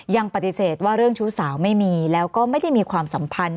ยังปฏิเสธว่าเรื่องชู้สาวไม่มีแล้วก็ไม่ได้มีความสัมพันธ์